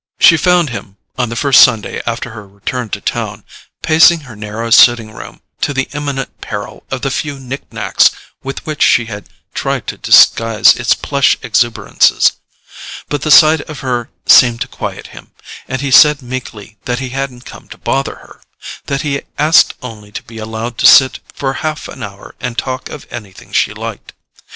She found him, on the first Sunday after her return to town, pacing her narrow sitting room to the imminent peril of the few knick knacks with which she had tried to disguise its plush exuberances; but the sight of her seemed to quiet him, and he said meekly that he hadn't come to bother her—that he asked only to be allowed to sit for half an hour and talk of anything she liked.